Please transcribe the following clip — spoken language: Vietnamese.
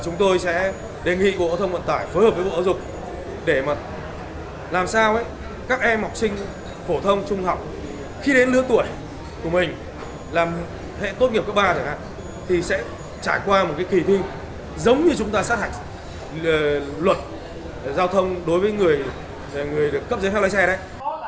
chúng tôi sẽ đề nghị bộ ở thông vận tải phối hợp với bộ ở dục để làm sao các em học sinh phổ thông trung học khi đến lứa tuổi của mình làm hệ tốt nghiệp các ba thì sẽ trải qua một kỳ thi giống như chúng ta sát hạch luật giao thông đối với người được cấp dưới theo lấy xe đấy